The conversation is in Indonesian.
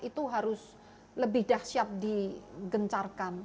itu harus lebih dahsyat digencarkan